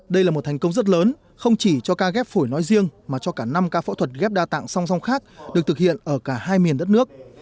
đây là một thành công rất lớn không chỉ cho ca ghép phổi nói riêng mà cho cả năm ca phẫu thuật ghép đa tạng song song khác được thực hiện ở cả hai miền đất nước